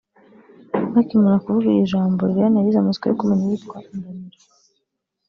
Bakimara kuvuga iryo jambo Liliane yagize amatsiko yo kumenya uwitwa Ndamira